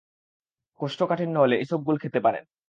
কোষ্ঠকাঠিন্য হলে ইসবগুল খেতে পারেন।